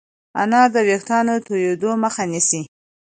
انار د ويښتانو تویدو مخه نیسي.